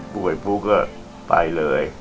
พูดเหมือนพูกก็ไปเลย